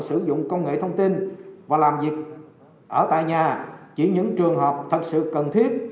sử dụng công nghệ thông tin và làm việc ở tại nhà chỉ những trường hợp thật sự cần thiết